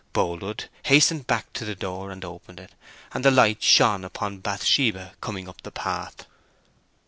Boldwood hastened back to the door, and opened it; and the light shone upon Bathsheba coming up the path.